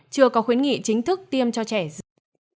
chưa có khuyến nghị chính thức tiêm cho trẻ